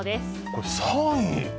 これ、３位？